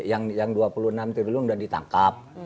yang dua puluh enam itu belum ditangkap